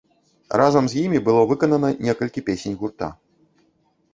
Разам з імі было выканана некалькі песень гурта.